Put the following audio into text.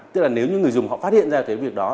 tức là nếu như người dùng họ phát hiện ra cái việc đó